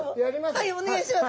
はいお願いします。